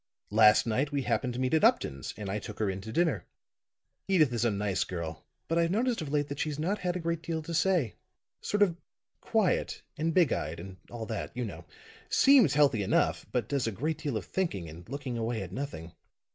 Last night we happened to meet at Upton's, and I took her in to dinner. Edyth is a nice girl, but I've noticed of late that she's not had a great deal to say. Sort of quiet and big eyed and all that, you know. Seems healthy enough, but does a great deal of thinking and looking away at nothing.